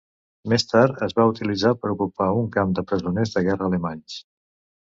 Més tard, es va utilitzar per ocupar un camp de presoners de guerra alemanys.